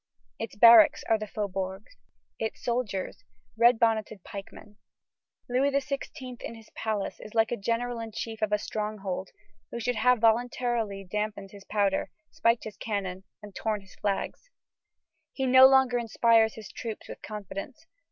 Its barracks are the faubourgs; its soldiers, red bonneted pikemen. Louis XVI. in his palace is like a general in chief in a stronghold, who should have voluntarily dampened his powder, spiked his cannon, and torn his flags. He no longer inspires his troops with confidence.